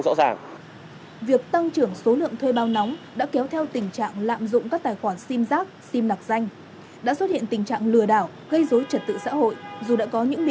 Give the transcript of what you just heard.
dù đã có những biện pháp để khắc phục tình trạng này tuy nhiên vẫn chưa được triệt đề